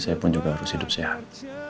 saya pun juga harus hidup sehat